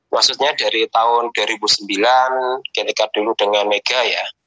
maksudnya dari tahun dua ribu sembilan kita dekat dulu dengan mega ya